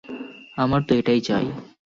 আমার তো এটাই চাই।